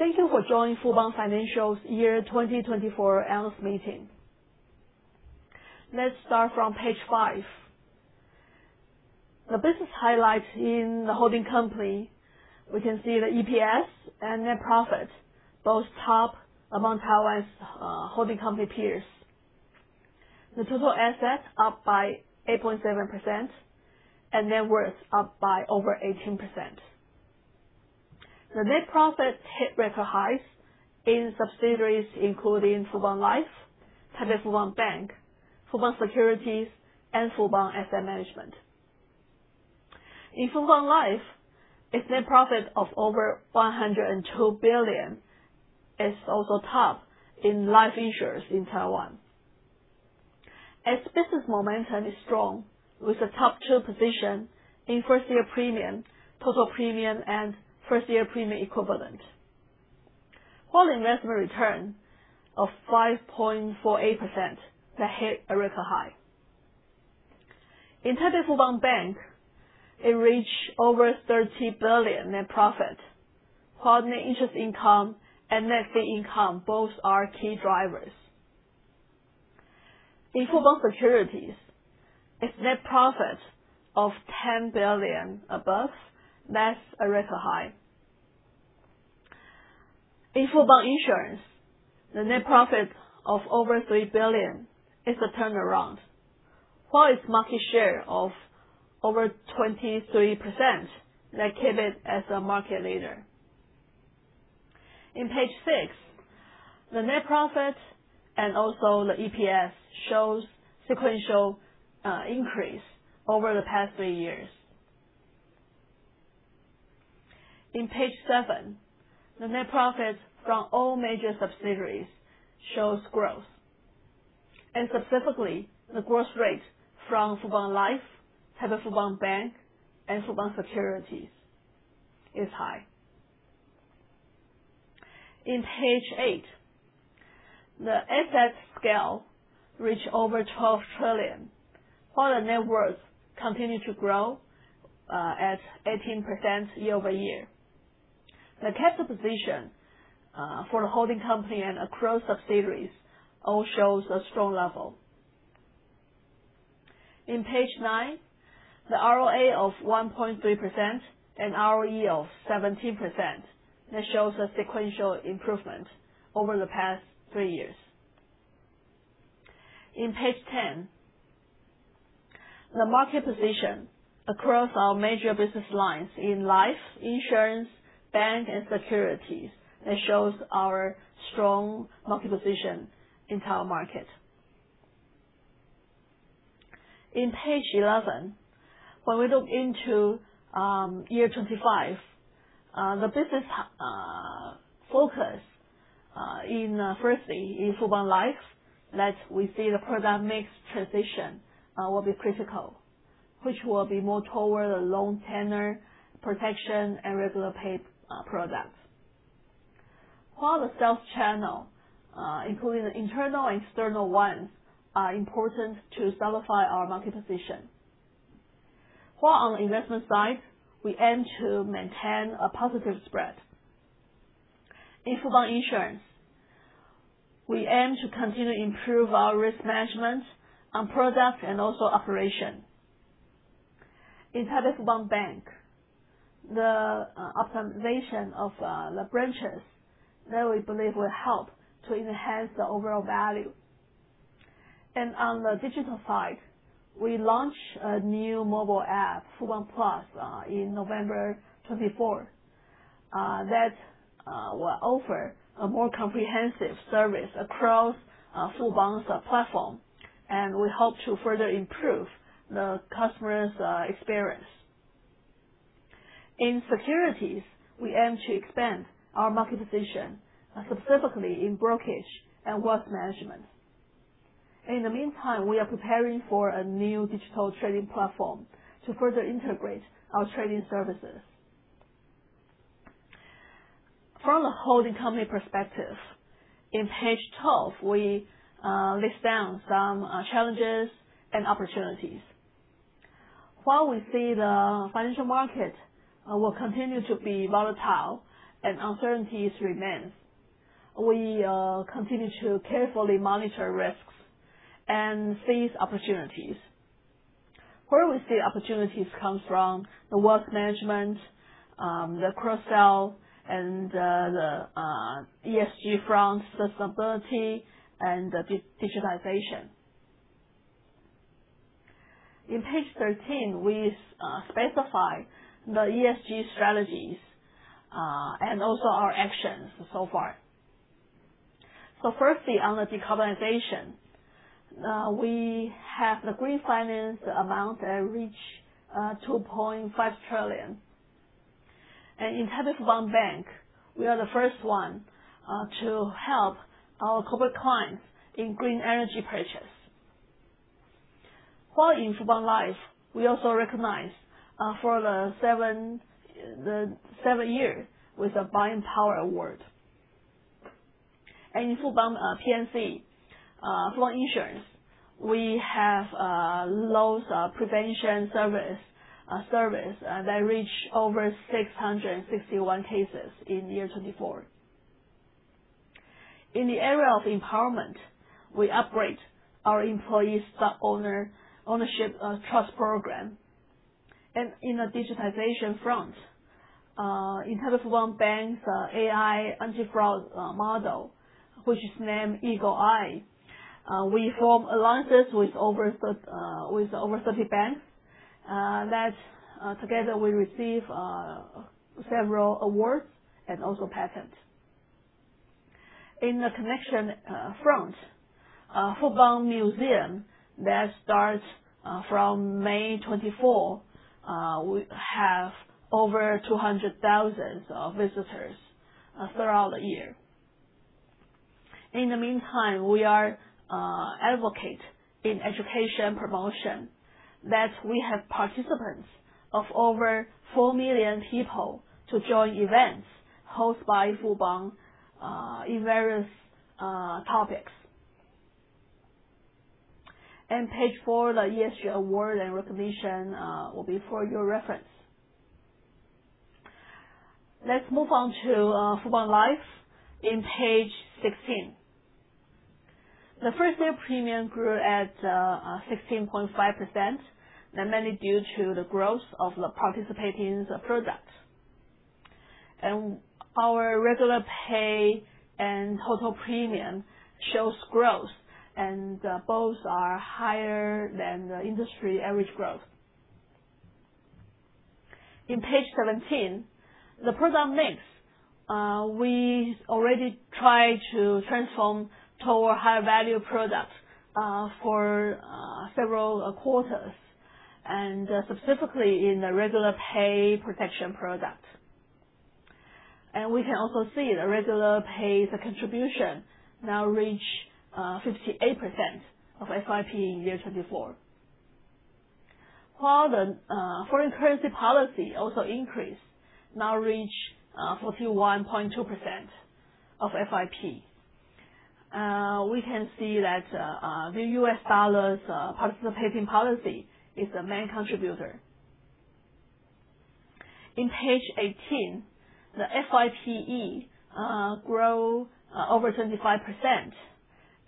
Thank you for joining Fubon Financial's Year 2024 Analyst Meeting. Let's start from page five. The business highlights in the holding company, we can see the EPS and net profit, both top among Taiwan's holding company peers. The total assets are up by 8.7%, and net worth is up by over 18%. The net profit hit record highs in subsidiaries including Fubon Life, Taipei Fubon Bank, Fubon Securities, and Fubon Asset Management. In Fubon Life, its net profit of over 102 billion is also top in life insurance in Taiwan. Its business momentum is strong, with a top two position in first-year premium, total premium, and first-year premium equivalent, while investment return of 5.48% that hit a record high. In Taipei Fubon Bank, it reached over 30 billion net profit, while net interest income and net fee income both are key drivers. In Fubon Securities, its net profit of NT 10 billion above, that's a record high. In Fubon Insurance, the net profit of over NT 3 billion is a turnaround, while its market share of over 23% keeps it as a market leader. In page six, the net profit and also the EPS show sequential increase over the past three years. In page seven, the net profit from all major subsidiaries shows growth, and specifically the growth rate from Fubon Life, Taipei Fubon Bank, and Fubon Securities is high. In page eight, the asset scale reached over NT 12 trillion, while the net worth continued to grow at 18% year over year. The capital position for the holding company and across subsidiaries all shows a strong level. In page nine, the ROA of 1.3% and ROE of 17% shows a sequential improvement over the past three years. In page ten, the market position across our major business lines in life, insurance, bank, and securities that shows our strong market position in Taiwan market. In page 11, when we look into year 2025, the business focus in firstly in Fubon Life that we see the product mix transition will be critical, which will be more toward the long tenor protection and regular pay product, while the sales channel, including the internal and external ones, are important to solidify our market position. While on the investment side, we aim to maintain a positive spread. In Fubon Insurance, we aim to continue to improve our risk management on product and also operation. In Taipei Fubon Bank, the optimization of the branches that we believe will help to enhance the overall value. On the digital side, we launched a new mobile app, Fubon+, in November 2024 that will offer a more comprehensive service across Fubon's platform, and we hope to further improve the customer's experience. In securities, we aim to expand our market position, specifically in brokerage and wealth management. In the meantime, we are preparing for a new digital trading platform to further integrate our trading services. From the holding company perspective, in page 12, we list down some challenges and opportunities. While we see the financial market will continue to be volatile and uncertainties remain, we continue to carefully monitor risks and seize opportunities. Where we see opportunities comes from the wealth management, the cross-sell, and the ESG front, sustainability, and digitization. In page 13, we specify the ESG strategies and also our actions so far. Firstly, on the decarbonization, we have the green finance amount that reached 2.5 trillion. In Taipei Fubon Bank, we are the first one to help our corporate clients in green energy purchase. While in Fubon Life, we are also recognized for seven years with a Buying Power Award. In Fubon Insurance, we have loss prevention service that reached over 661 cases in year 2024. In the area of empowerment, we upgrade our employee stock ownership trust program. In the digitization front, in Taipei Fubon Bank's AI anti-fraud model, which is named Eagle Eye, we form alliances with over 30 banks that together receive several awards and also patents. In the connection front, Fubon Museum that starts from May 2024, we have over 200,000 visitors throughout the year. In the meantime, we are advocates in education promotion that we have participants of over 4 million people to join events hosted by Fubon in various topics. Page four, the ESG award and recognition will be for your reference. Let's move on to Fubon Life in page 16. The first-year premium grew at 16.5%, mainly due to the growth of the participating products. Our regular pay and total premium shows growth, and both are higher than the industry average growth. In page 17, the product mix, we already tried to transform toward higher value product for several quarters, and specifically in the regular pay protection product. We can also see the regular pay contribution now reached 58% of FYP in year 2024. While the foreign currency policy also increased, now reached 41.2% of FYP. We can see that the US dollar participating policy is the main contributor. In page 18, the FYPE grew over 25%,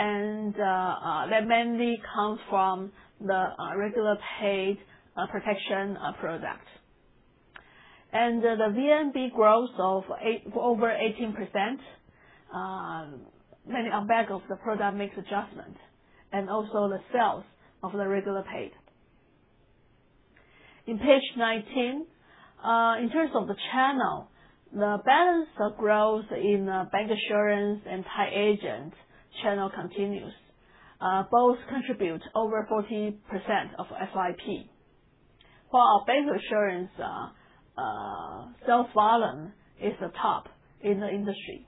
and that mainly comes from the regular pay protection product. The VNB growth of over 18%, mainly on back of the product mix adjustment and also the sales of the regular pay. In page 19, in terms of the channel, the balance of growth in bancassurance and tied agent channel continues. Both contribute over 40% of FYPE, while our bancassurance sales volume is the top in the industry.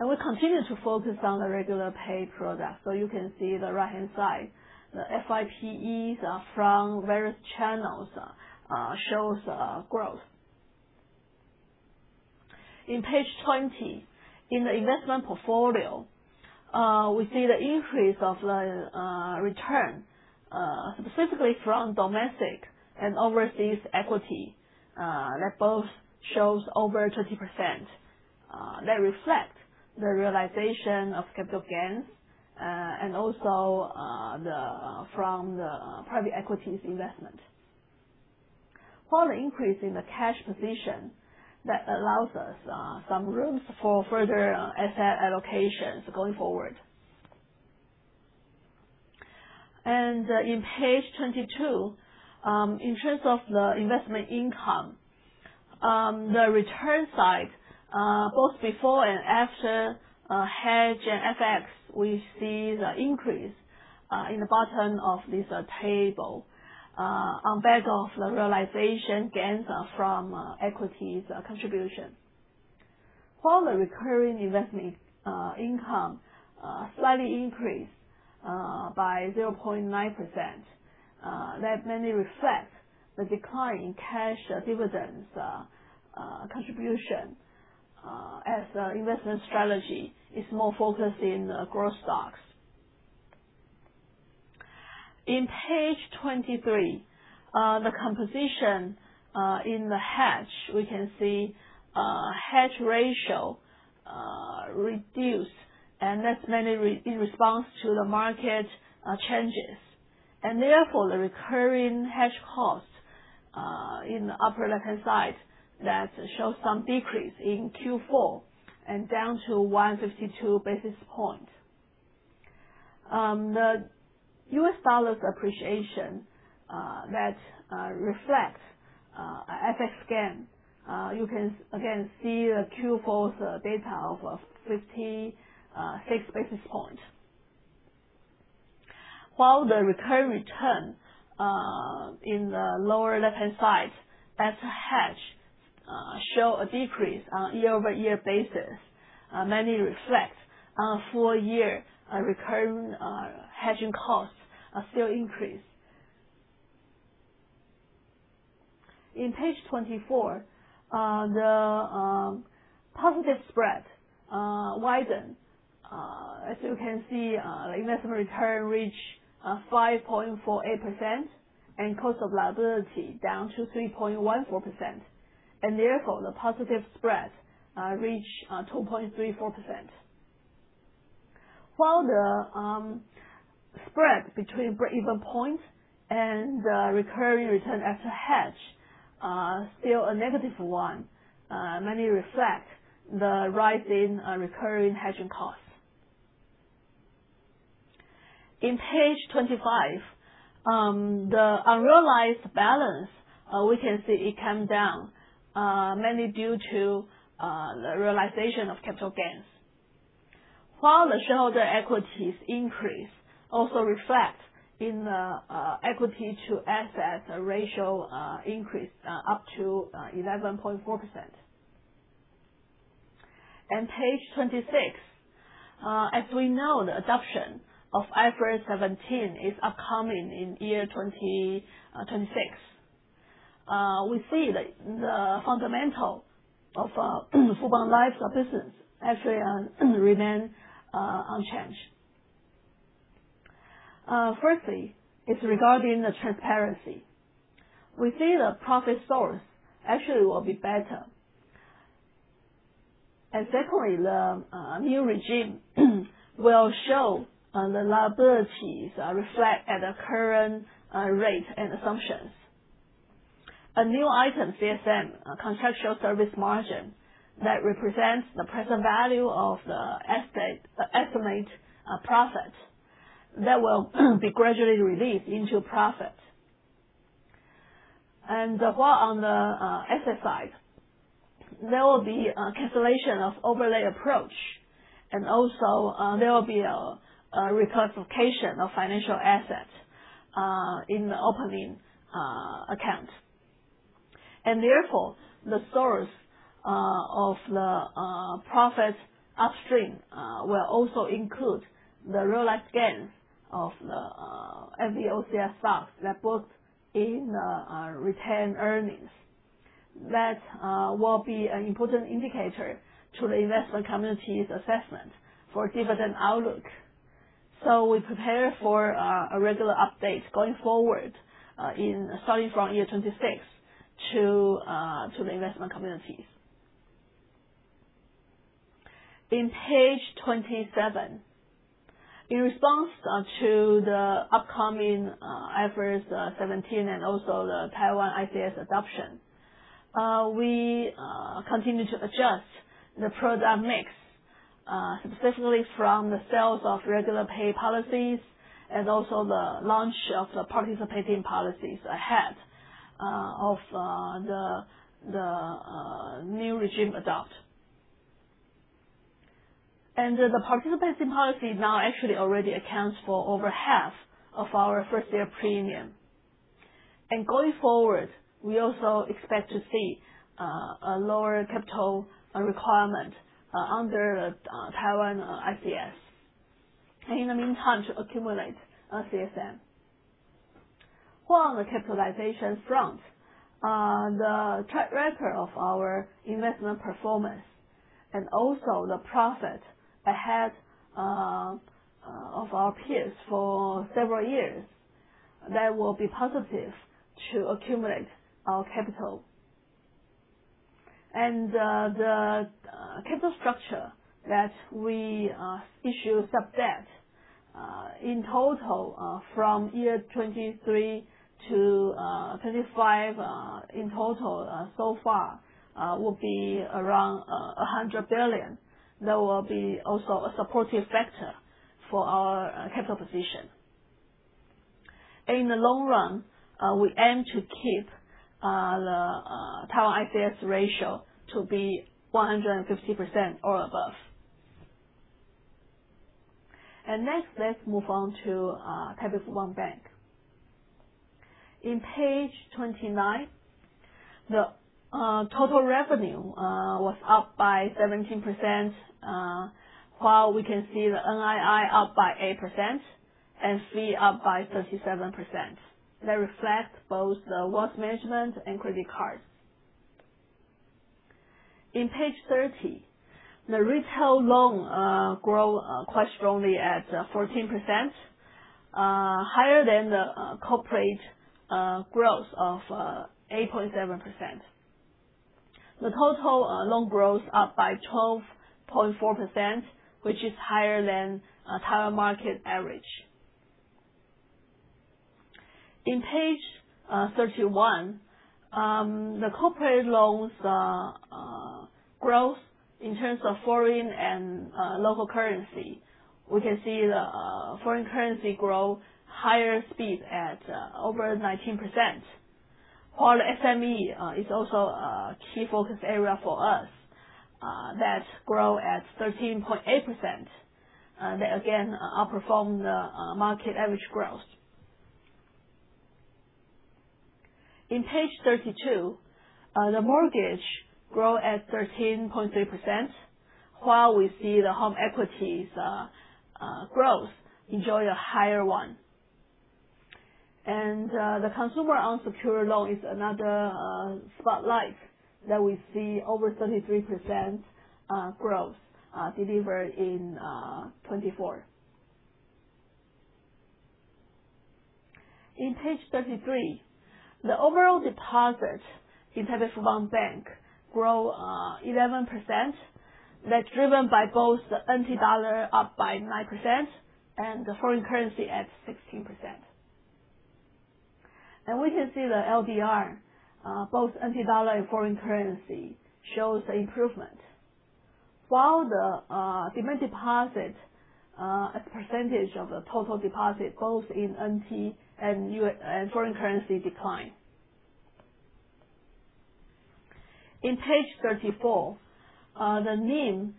We continue to focus on the regular pay product. You can see the right-hand side, the FYPEs from various channels shows growth. In page 20, in the investment portfolio, we see the increase of the return, specifically from domestic and overseas equity that both shows over 20% that reflects the realization of capital gains and also from the private equity investment, while the increase in the cash position that allows us some rooms for further asset allocations going forward. In page 22, in terms of the investment income, the return side, both before and after hedge and FX, we see the increase in the bottom of this table on back of the realization gains from equities contribution, while the recurring investment income slightly increased by 0.9% that mainly reflects the decline in cash dividends contribution as the investment strategy is more focused in growth stocks. In page 23, the composition in the hedge, we can see hedge ratio reduced, and that's mainly in response to the market changes. Therefore, the recurring hedge cost in the upper left-hand side shows some decrease in Q4 and down to 152 basis points. The US dollar's appreciation that reflects FX gain, you can again see the Q4's data of 56 basis points. While the recurring return in the lower left-hand side that's hedge shows a decrease on year-over-year basis, mainly reflects on four-year recurring hedging costs still increase. In page 24, the positive spread widens, as you can see the investment return reached 5.48% and cost of liability down to 3.14%. Therefore, the positive spread reached 2.34%. While the spread between break-even points and the recurring return after hedge is still a negative one, mainly reflects the rise in recurring hedging costs. In page 25, the unrealized balance, we can see it came down mainly due to the realization of capital gains. While the shareholder equities increase also reflects in the equity to asset ratio increase up to 11.4%. On page 26, as we know, the adoption of IFRS 17 is upcoming in year 2026. We see that the fundamental of Fubon Life's business actually remains unchanged. Firstly, it's regarding the transparency. We see the profit source actually will be better. Secondly, the new regime will show the liabilities reflect at the current rate and assumptions. A new item, CSM, contractual service margin, that represents the present value of the estimate profit that will be gradually released into profit. While on the asset side, there will be a cancellation of overlay approach, and also there will be a reclassification of financial assets in the opening account. Therefore, the source of the profit upstream will also include the realized gains of the FVOCI stocks that booked in the retained earnings. That will be an important indicator to the investment community's assessment for dividend outlook. We prepare for a regular update going forward starting from year 2026 to the investment communities. In page 27, in response to the upcoming IFRS 17 and also the Taiwan ICS adoption, we continue to adjust the product mix, specifically from the sales of regular pay policies and also the launch of the participating policies ahead of the new regime adopt. The participating policy now actually already accounts for over half of our first-year premium. Going forward, we also expect to see a lower capital requirement under the Taiwan ICS and in the meantime to accumulate CSM. While on the capitalization front, the track record of our investment performance and also the profit ahead of our peers for several years, that will be positive to accumulate our capital. The capital structure that we issue sub-debt in total from year 2023 to 2025 in total so far will be around 100 billion. That will be also a supportive factor for our capital position. In the long run, we aim to keep the Taiwan ICS ratio to be 150% or above. Next, let's move on to Taipei Fubon Bank. In page 29, the total revenue was up by 17%, while we can see the NII up by 8% and fee up by 37%. That reflects both the wealth management and credit cards. In page 30, the retail loan grew quite strongly at 14%, higher than the corporate growth of 8.7%. The total loan growth is up by 12.4%, which is higher than Taiwan market average. In page 31, the corporate loans growth in terms of foreign and local currency, we can see the foreign currency grow higher speed at over 19%. While the SME is also a key focus area for us that grew at 13.8%, that again outperformed the market average growth. In page 32, the mortgage grew at 13.3%, while we see the home equity growth enjoy a higher one. The consumer unsecured loan is another spotlight that we see over 33% growth delivered in 2024. In page 33, the overall deposit in Taipei Fubon Bank grew 11%. That's driven by both the NT dollar up by 9% and the foreign currency at 16%. We can see the LDR, both NT dollar and foreign currency, shows improvement, while the demand deposit as a percentage of the total deposit both in NT and foreign currency decline. In page 34, the NIM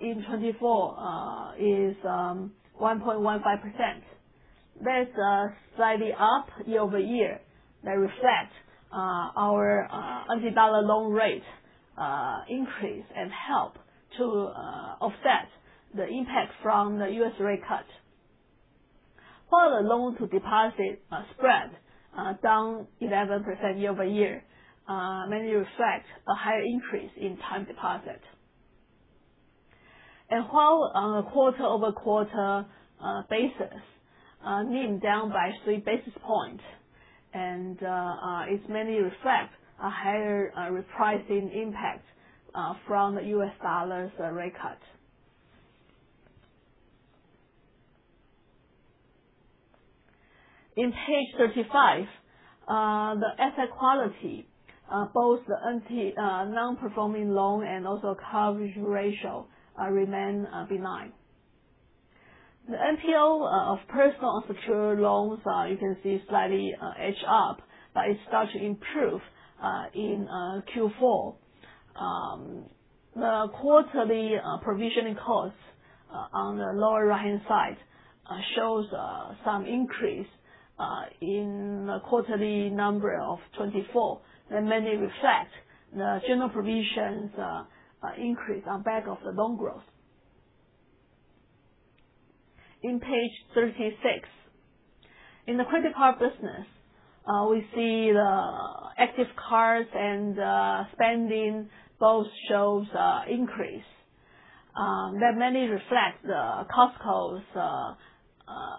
in 2024 is 1.15%. That's slightly up year over year. That reflects our NT dollar loan rate increase and helps to offset the impact from the US rate cut. While the loan-to-deposit spread down 11% year over year mainly reflects a higher increase in time deposit. While on a quarter-over-quarter basis, NIM down by three basis points and is mainly reflect a higher repricing impact from the US dollar's rate cut. In page 35, the asset quality, both the NT non-performing loan and also coverage ratio remain benign. The NPL of personal unsecured loans, you can see slightly edge up, but it starts to improve in Q4. The quarterly provisioning costs on the lower right-hand side show some increase in the quarterly number of 2024 that mainly reflects the general provisions increase on back of the loan growth. In page 36, in the credit card business, we see the active cards and spending both shows increase that mainly reflects the Costco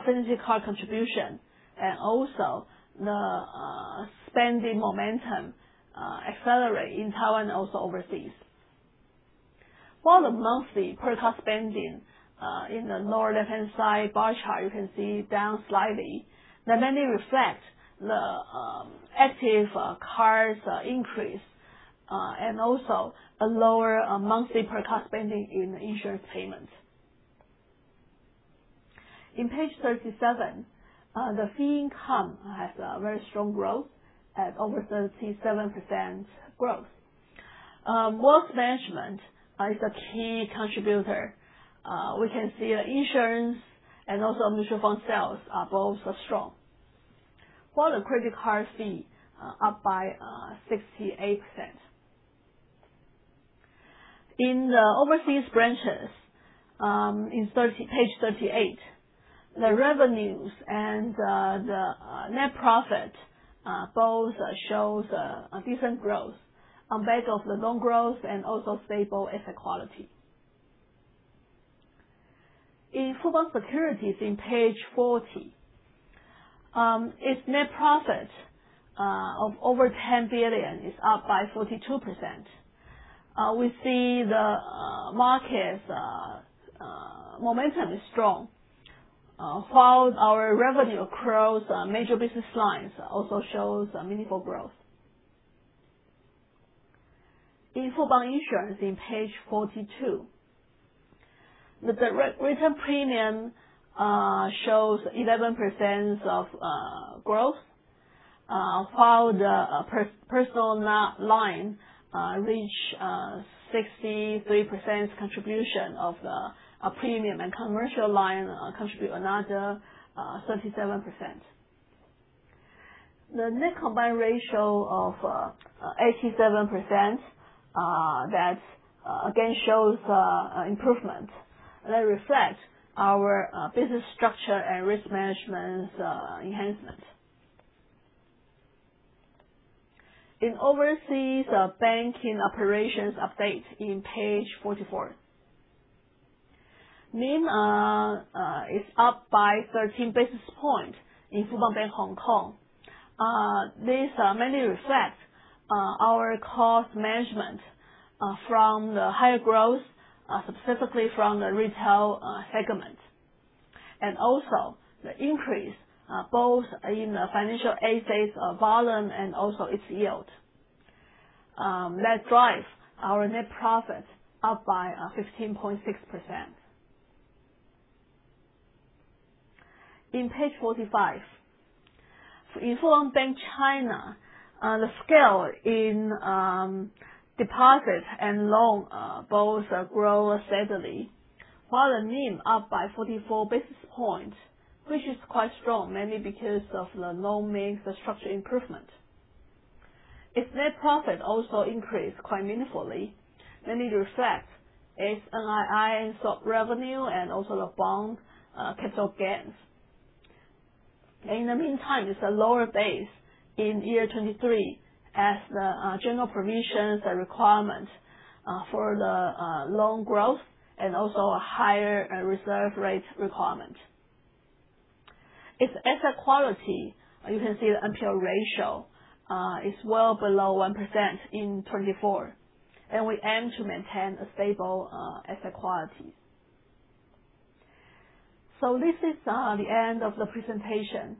affinity card contribution and also the spending momentum accelerate in Taiwan and also overseas. While the monthly per-card spending in the lower left-hand side bar chart, you can see down slightly that mainly reflects the active cards increase and also a lower monthly per-card spending in insurance payment. In page 37, the fee income has a very strong growth at over 37% growth. Wealth management is a key contributor. We can see the insurance and also mutual fund sales are both strong, while the credit card fee is up by 68%. In the overseas branches, in page 38, the revenues and the net profit both shows a decent growth on back of the loan growth and also stable asset quality. In Fubon Securities, in page 40, its net profit of over NT 10 billion is up by 42%. We see the market's momentum is strong, while our revenue across major business lines also shows meaningful growth. In Fubon Insurance, in page 42, the direct written premium shows 11% of growth, while the personal line reached 63% contribution of the premium and commercial line contribute another 37%. The net combined ratio of 87% that again shows improvement that reflects our business structure and risk management enhancement. In overseas banking operations update in page 44, NIM is up by 13 basis points in Fubon Bank (Hong Kong). This mainly reflects our cost management from the higher growth, specifically from the retail segment, and also the increase both in the financial assets volume and also its yield that drives our net profit up by 15.6%. In page 45, in Fubon Bank (China), the scale in deposit and loan both grow steadily, while the NIM up by 44 basis points, which is quite strong mainly because of the loan mix, the structure improvement. Its net profit also increased quite meaningfully, mainly reflects its NII and swap revenue and also the bond capital gains. In the meantime, it's a lower base in year 2023 as the general provisions requirement for the loan growth and also a higher reserve rate requirement. Its asset quality, you can see the NPL ratio is well below 1% in 2024, and we aim to maintain a stable asset quality. This is the end of the presentation.